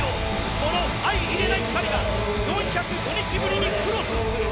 この相容れない２人が４０５日ぶりにクロスする。